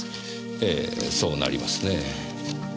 ええそうなりますね。